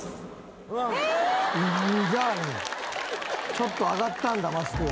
ちょっと上がったんだマスクが。